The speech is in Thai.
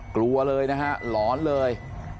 กลัวเลยนะฮะหลอนเลย